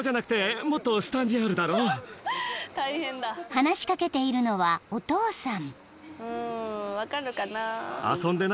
［話し掛けているのはお父さん］